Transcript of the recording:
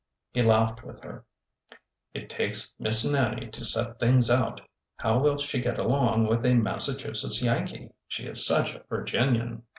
He laughed with her. ''It takes Miss Nannie to set things out! How will she get along with a Massachusetts Yankee? She is such a Virginian."